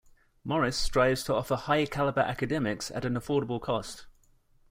Morris strives to offer high-caliber academics at an affordable cost.